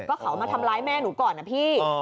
ก็เขามาทำร้ายแม่หนูก่อนนะพี่